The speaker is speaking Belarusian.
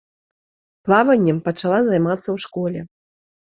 Плаваннем пачала займацца ў школе.